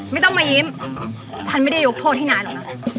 ไม่ต้องมายิ้มฉันไม่ได้ยกโทษให้นายหรอกนะ